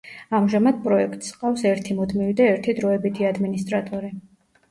ამჟამად პროექტს ჰყავს ერთი მუდმივი და ერთი დროებითი ადმინისტრატორი.